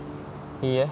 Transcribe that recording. いいえ。